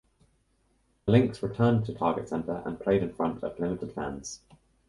The Lynx returned to Target Center and played in front of limited fans.